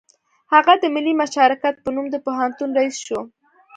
هغه د ملي مشارکت په نوم د پوهنتون رییس شو